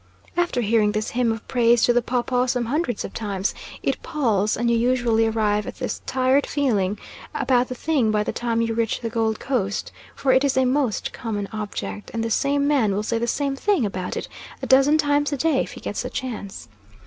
After hearing this hymn of praise to the papaw some hundreds of times, it palls, and you usually arrive at this tired feeling about the thing by the time you reach the Gold Coast, for it is a most common object, and the same man will say the same thing about it a dozen times a day if he gets the chance.